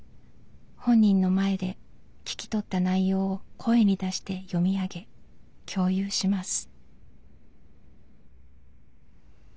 本人の前で聞き取った内容を声に出して読み上げ共有します。